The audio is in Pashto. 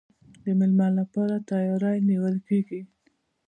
د میلمه لپاره تیاری نیول کیږي.